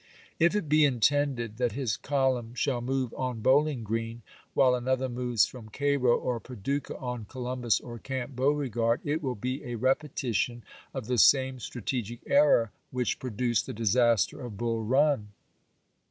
If it be intended that his column shall move on Bowling Green, while another moves from Cau'o or Paducah on Columbus or Camp Beauregard, it will be a repetition of the same strategic error which pro duced the disaster of Bull Run.